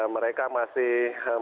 mereka masih menunggu